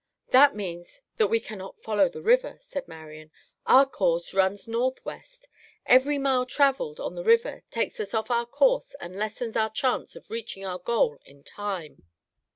"That means that we cannot follow the river," said Marian. "Our course runs northwest. Every mile travelled on the river takes us off our course and lessens our chance of reaching our goal in time."